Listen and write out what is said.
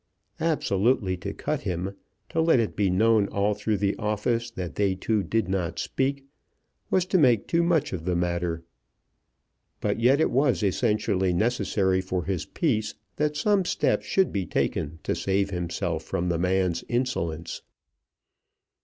Absolutely to cut him, to let it be known all through the office that they two did not speak, was to make too much of the matter. But yet it was essentially necessary for his peace that some step should be taken to save himself from the man's insolence.